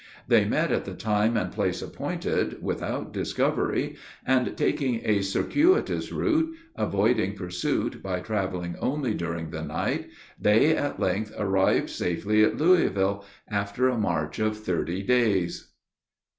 They met at the time and place appointed, without discovery, and, taking a circuitous route, avoiding pursuit by traveling only during the night, they at length arrived safely at Louisville, after a march of thirty days.